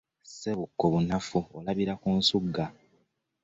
Ssebuko bunafu olabira ku nsugga ,